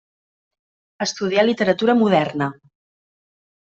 Estudià literatura moderna.